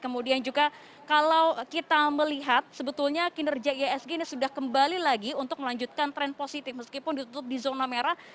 kemudian juga kalau kita melihat sebetulnya kinerja ihsg ini sudah kembali lagi untuk melanjutkan tren positif meskipun ditutup di zona merah